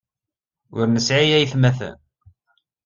Ur nesɛi aytmaten.